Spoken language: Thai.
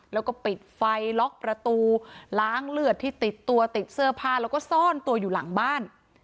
แล้วก็ปิดไฟล็อกประตูล้างเลือดที่ติดตัวติดเสื้อผ้าแล้วก็ซ่อนตัวอยู่หลังบ้าน